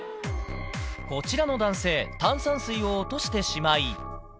こちらの男性、炭酸水を落としてしまい。